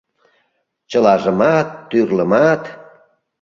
Чылажымат, тӱрлымат...